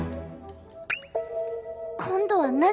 今度は何！？